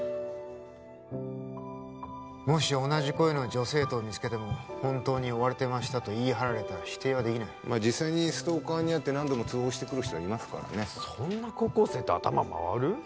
もし同じ声の女生徒を見つけても本当に追われてましたと言い張られたら否定はできない実際にストーカーに遭って何度も通報してくる人はいますからねそんな高校生って頭回る？